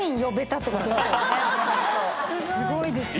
すごいですね。